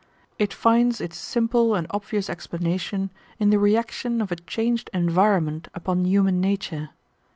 It finds its simple and obvious explanation in the reaction of a changed environment upon human nature.